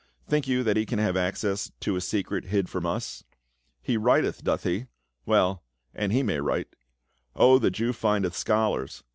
Think you that ho can have access 22 338 PA UL. to a secret hid from us? He writcth, doth he? Well, and he may write. O, the Jew findeth scholars